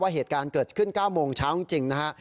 เหตุการณ์เกิดขึ้น๙โมงเช้าจริงนะฮะ